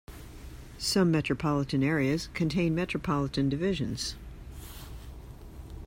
Some metropolitan areas contain metropolitan divisions.